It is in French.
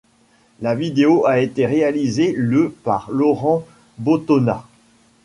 La vidéo a été réalisée le par Laurent Boutonnat.